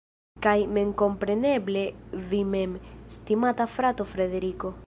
Kaj memkompreneble vi mem, estimata frato Frederiko.